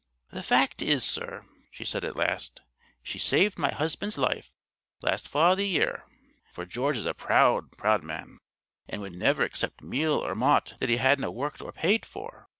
"The fact is, sir," she said at last, "she saved my husband's life last fa' o' the year. For George is a proud proud man, and would never accept meal or maut that he hadna worked or paid for.